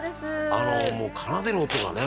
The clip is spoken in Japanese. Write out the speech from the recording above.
あのもう奏でる音がねまた。